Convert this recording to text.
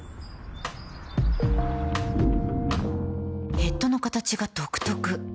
ヘッドの形が独特